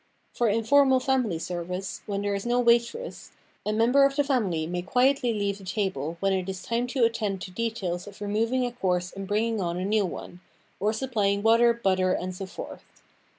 For informal family service, when there is no waitress, a member of the family may quietly leave the table when it is time to attend to details of removing a course and bringing on a new one, or supplying water, butter, and so forth.